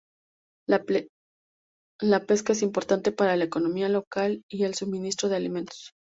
La pesca es importante para la economía local y el suministro de alimentos.